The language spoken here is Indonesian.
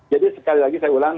jadi sekali lagi saya ulang